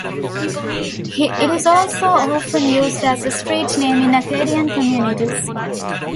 It is also often used as a street name in Acadian communities.